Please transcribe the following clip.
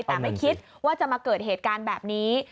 แต่ไม่คิดว่าจะมาเกิดเหตุการณ์แบบนี้